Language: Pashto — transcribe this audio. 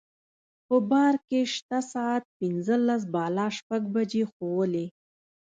په بار کې شته ساعت پنځلس بالا شپږ بجې ښوولې.